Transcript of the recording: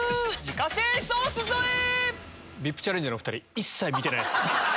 ＶＩＰチャレンジャーのお２人一切見てないです。